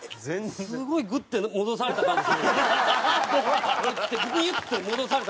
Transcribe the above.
すごいグッて戻された感じする。